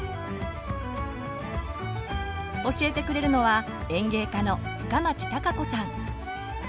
教えてくれるのは園芸家の深町貴子さん。